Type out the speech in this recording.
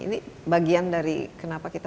ini bagian dari kenapa kita